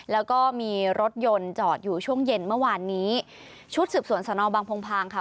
แล้วก็มีรถยนต์จอดอยู่ช่วงเย็นเมื่อวานนี้ชุดสืบสวนสนบางพงพางค่ะ